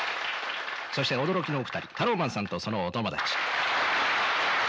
そして驚きのお二人タローマンさんとそのお友達。